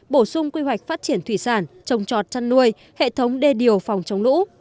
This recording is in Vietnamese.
bổ sung quy hoạch phát triển thủy sản trồng trọt chăn nuôi hệ thống đê điều phòng chống lũ